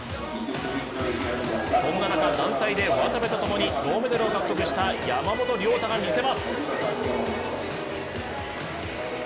そんな中、団体で渡部と共に銅メダルを獲得した山本涼太が見せます。